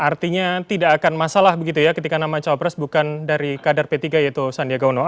artinya tidak akan masalah begitu ya ketika nama cawapres bukan dari kader p tiga yaitu sandiaga uno